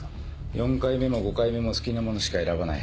４回目も５回目も好きなものしか選ばない。